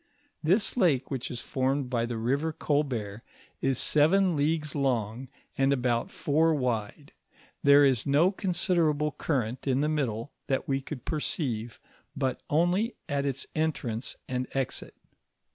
This lake which is formed by the Biver Colbert, is seven leagues long, and about four wide ; there is no considerable cuiTent in the middle that we could perceive, but only at its entrance and exit.